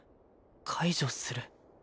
「解除する」